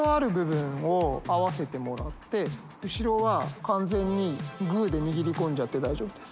後ろは完全にグーで握り込んじゃって大丈夫です。